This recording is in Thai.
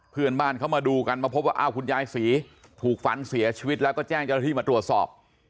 เพื่อนบ้านเขามาดูกันมาพบว่าอ้าวคุณยายศรีถูกฝันเสียชีวิตแล้วก็แจ้งเจ้าหน้าที่มาตรวจสอบ